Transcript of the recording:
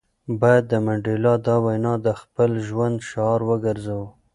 باید د منډېلا دا وینا د خپل ژوند شعار وګرځوو.